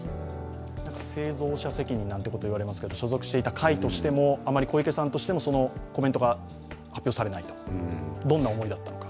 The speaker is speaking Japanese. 製造者責任なんていわれますけれども、所属していた会としてもあまり小池さんとしてもそのコメントが発表されない、どんな思いだったのか。